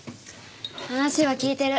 話は聞いてる。